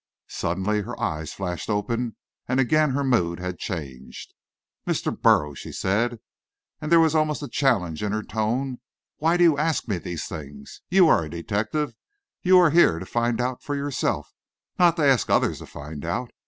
Suddenly her eyes flashed open; again her mood had changed. "Mr. Burroughs," she said, and there was almost a challenge in her tone, "why do you ask me these things? You are a detective, you are here to find out for yourself, not to ask others to find out.